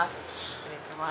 失礼します。